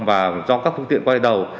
và do các phương tiện quay đầu